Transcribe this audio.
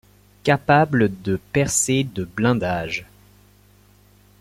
Capable de percer de blindage.